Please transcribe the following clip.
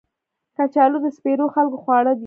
کچالو د سپېرو خلکو خواړه دي